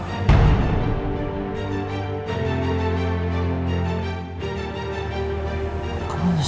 aku jadi nyesel